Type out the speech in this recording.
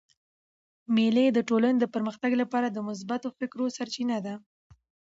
مېلې د ټولني د پرمختګ له پاره د مثبتو فکرو سرچینه ده.